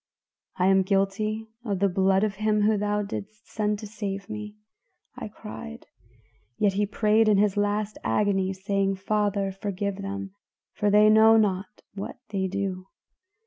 'I am guilty of the blood of him whom thou didst send to save me,' I cried, 'yet he prayed in his last agony, saying, Father, forgive them, for they know not what they do.